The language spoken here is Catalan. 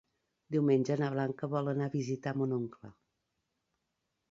Diumenge na Blanca vol anar a visitar mon oncle.